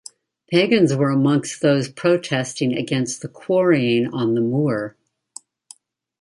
Pagans were amongst those protesting against the quarrying on the moor.